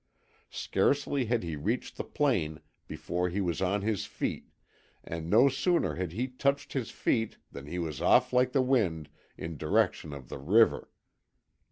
Scarcely had he reached the plain before he was on his feet, and no sooner had he touched his feet than he was off like the wind in direction of the river.